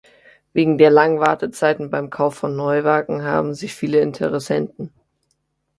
Wegen der langen Wartezeiten beim Kauf von Neuwagen haben sie viele Interessenten.